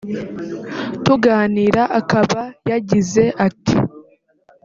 tuganira akaba yagize ati